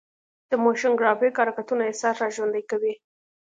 د موشن ګرافیک حرکتونه احساس راژوندي کوي.